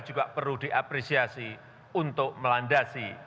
juga perlu diapresiasi untuk melandasi